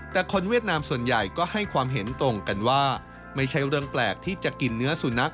แต่คนเวียดนามส่วนใหญ่ก็ให้ความเห็นตรงกันว่าไม่ใช่เรื่องแปลกที่จะกินเนื้อสุนัข